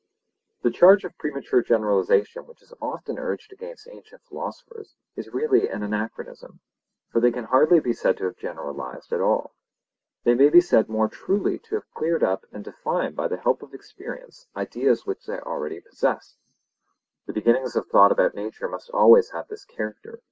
The charge of premature generalization which is often urged against ancient philosophers is really an anachronism. For they can hardly be said to have generalized at all. They may be said more truly to have cleared up and defined by the help of experience ideas which they already possessed. The beginnings of thought about nature must always have this character.